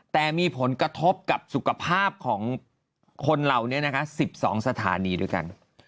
แต่มีผลกระทบกับสุขภาพของคนเรา๑๒สถานีด้วยกัน